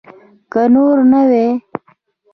که نور نه وي.